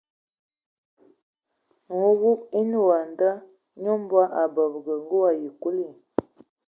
Nwumub o nə wa a nda : e nyɔ mɔn a bəgə asig! Kuligi nye ngə o ayi kig bita a dzal do.